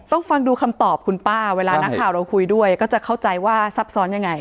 ฟังดูคำตอบคุณป้าเวลานักข่าวเราคุยด้วยก็จะเข้าใจว่าซับซ้อนยังไง